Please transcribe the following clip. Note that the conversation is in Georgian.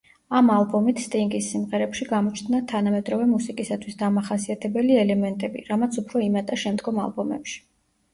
ამ ალბომით სტინგის სიმღერებში გამოჩნდა თანამედროვე მუსიკისათვის დამახასიათებელი ელემენტები, რამაც უფრო იმატა შემდგომ ალბომებში.